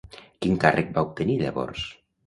Quin càrrec va obtenir llavors?